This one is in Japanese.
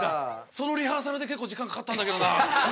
そのリハーサルで結構時間かかったんだけどな。